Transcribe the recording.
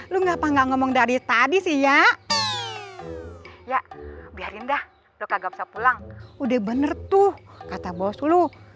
lu ngapa nggak ngomong dari tadi sih ya ya biarin dah lu kagak pulang udah bener tuh kata bos lu